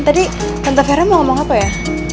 tadi tante vera mau ngomong apa ya